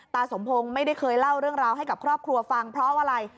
สมพงศ์ไม่ได้เคยเล่าเรื่องราวให้กับครอบครัวฟังเพราะอะไร